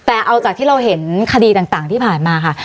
แต่เอาจากที่เราเห็นคดีต่างที่ผ่านมาค่ะ